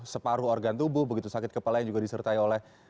separuh organ tubuh begitu sakit kepala yang juga disertai oleh